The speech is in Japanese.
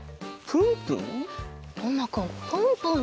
プンプン？